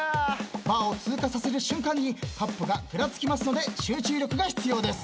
バーを通過させる瞬間にカップがぐらつきますので集中力が必要です。